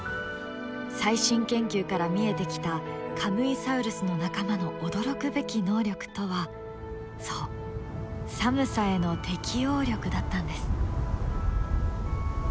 最新研究から見えてきたカムイサウルスの仲間の驚くべき能力とはそう寒さへの適応力だったんです。